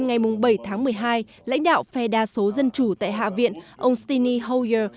ngày bảy tháng một mươi hai lãnh đạo phe đa số dân chủ tại hạ viện ông steny hoyer